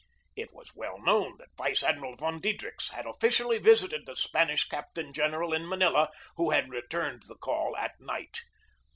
It was well known that Vice Admiral von Diedrichs had officially visited the Spanish captain general in Manila, who had returned the call at night.